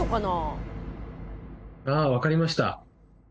あ分かりました。